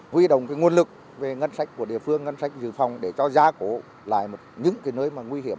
huy động nguồn lực về ngân sách của địa phương ngân sách dự phòng để cho giá cổ lại những nơi nguy hiểm